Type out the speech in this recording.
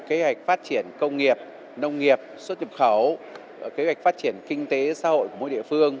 kế hoạch phát triển công nghiệp nông nghiệp xuất nhập khẩu kế hoạch phát triển kinh tế xã hội của mỗi địa phương